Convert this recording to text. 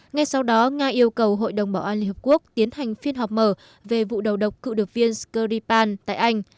ngay sau đó nga yêu cầu hội đồng bảo an liên hợp quốc tiến hành phiên họp mở về vụ đầu độc cựu điệp viên skripal tại anh